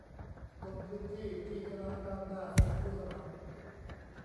ลงพื้นที่ที่คณะก้าวหน้าส่งผู้สมัคร